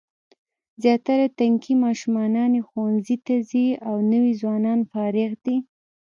زیاتره تنکي ماشومان یې ښوونځیو ته ځي او نوي ځوانان فارغ دي.